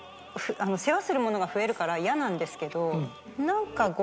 世話するものが増えるから嫌なんですけどなんか。